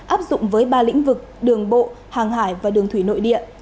áp dụng với ba lĩnh vực đường bộ hàng hải và đường thủy nội địa